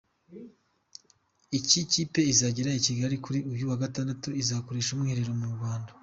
Iyi kipe izagera i Kigali kuri uyu wa Gatanu izakorera umwiherero mu Rwanda.